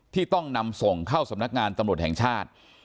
ต้องนำส่งเข้าสำนักงานตำรวจแห่งชาติ